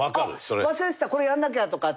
忘れてたこれやらなきゃとかって。